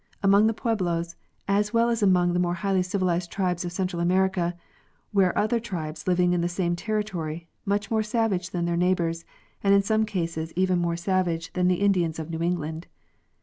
Among the Pueblos, as well as among the more highly civilized tribes of Central America, were other tribes living in the same territory, much more savage than their neighbors, and in some cases even more savage than the Indians of New England.